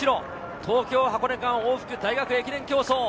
東京ー箱根間、往復大学駅伝競走。